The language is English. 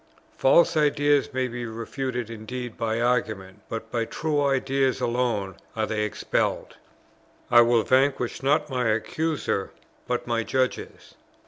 False ideas may be refuted indeed by argument, but by true ideas alone are they expelled. I will vanquish, not my Accuser, but my judges.